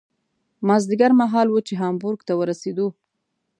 مازدیګر مهال و چې هامبورګ ته ورسېدو.